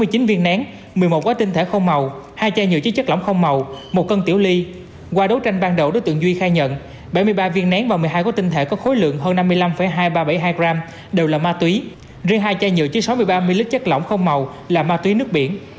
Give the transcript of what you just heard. riêng hai chai nhựa chứa sáu mươi ba ml chất lỏng không màu là ma túy nước biển